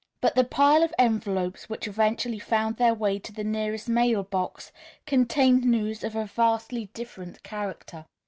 But the pile of envelopes which eventually found their way to the nearest mail box contained news of a vastly different character.